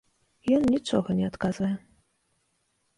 Ён нічога не адказвае.